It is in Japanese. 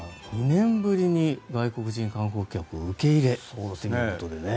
２年ぶりに外国人観光客を受け入れということですね。